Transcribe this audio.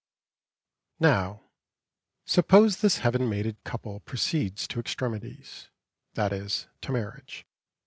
Now, suppose this heaven mated couple proceeds to extremities that is, to marriage.